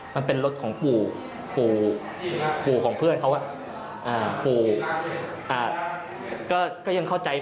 มันเป็นรถของปู่ปู่ของเพื่อนเขาปู่ก็ยังเข้าใจ